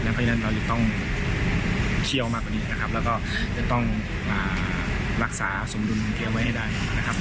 อยู่ประเทศไทยเราผมเองแล้วก็น้องครับเป็นที่เรานะครับ